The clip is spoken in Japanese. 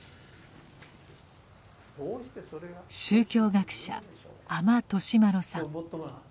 宗教学者阿満利麿さん。